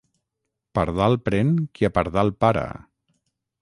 Pardal pren qui a pardal para.